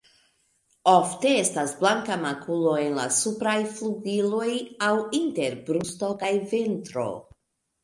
Ofte estas blanka makulo en la supraj flugiloj aŭ inter brusto kaj ventro.